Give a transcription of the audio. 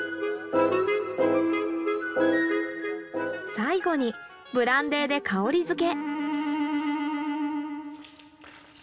最後にブランデーで香り付け。